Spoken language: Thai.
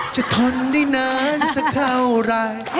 ทนได้นานสักเท่าไร